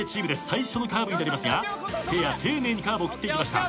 最初のカーブになりますがせいや丁寧にカーブを切っていきました。